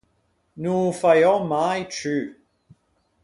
No ô faiò mai ciù!